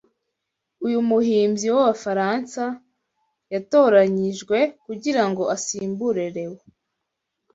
uyu muhimbyi w’Abafaransa yatoranijwe kugirango asimbure Lewo